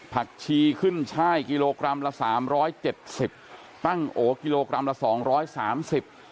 ผักชีขึ้นช่ายกิโลกรัมละสามร้อยเจ็ดสิบตั้งโอกิโลกรัมละสองร้อยสามสิบ